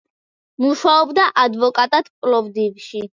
მუშაობდა ადვოკატად პლოვდივში.